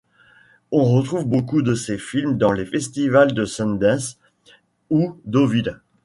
On retrouve beaucoup de ses films dans les festivals de Sundance ou Deauville.